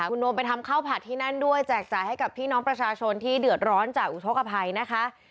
คุณโมไปทำข้าวผัดที่นั่นด้วยแจกจ่ายให้กับพี่น้องประชาชนที่เดือดร้อนจากอุทธกภัยนะคะ